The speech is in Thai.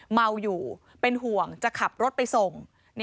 เมาอยู่เป็นห่วงจะขับรถไปส่ง